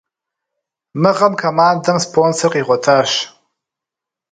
Мы гъэм командэм спонсор къигъуэтащ.